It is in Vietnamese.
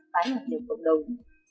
tái hạt cho cộng đồng